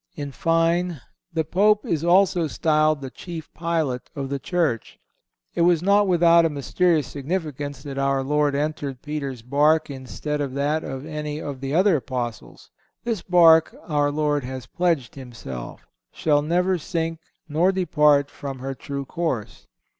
In fine, the Pope is also styled the Chief Pilot of the Church. It was not without a mysterious significance that our Lord entered Peter's bark instead of that of any of the other Apostles. This bark, our Lord has pledged Himself, shall never sink nor depart from her true course.